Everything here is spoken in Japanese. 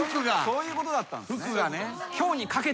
そういうことだったんすね。